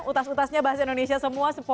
utas utasnya bahasa indonesia semua